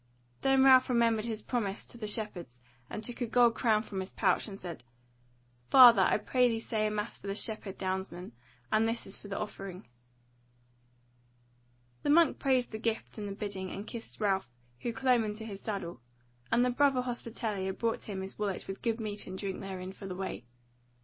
Then Ralph remembered his promise to the shepherds and took a gold crown from his pouch, and said: "Father, I pray thee say a mass for the shepherd downsmen; and this is for the offering." The monk praised the gift and the bidding, and kissed Ralph, who clomb into his saddle; and the brother hospitalier brought him his wallet with good meat and drink therein for the way.